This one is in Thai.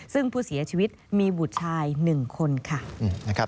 ซึ่งผู้เสียชีวิตมีบุตรชาย๑คนค่ะ